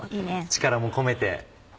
力も込めて。